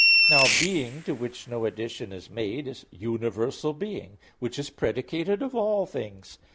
Now being to which no addition is made is universal being which is predicated of all things.